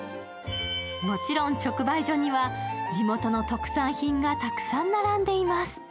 もちろん直売所には地元の特産品がたくさん並んでいます。